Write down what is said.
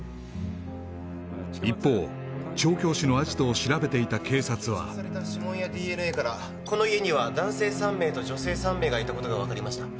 一方調教師のアジトを調べていた警察は指紋やＤＮＡからこの家には男性３名と女性３名がいたことが分かりました